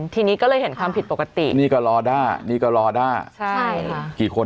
ทีนี้ก็เลยเห็นความผิดปกตินี่ก็รอด้านี่ก็รอด้าใช่ค่ะกี่คน